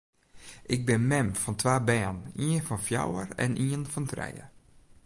Ik bin mem fan twa bern, ien fan fjouwer en ien fan trije.